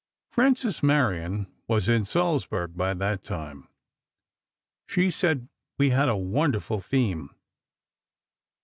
Frances Marion was in Salzburg by that time. She said we had a wonderful theme.